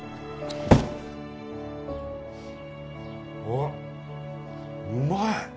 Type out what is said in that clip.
おっうまい！